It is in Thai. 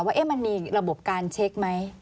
ว่ามันมีระบบการเช็คไหม